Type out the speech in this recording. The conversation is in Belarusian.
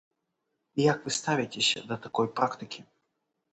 Як вы ставіцеся да такой практыкі?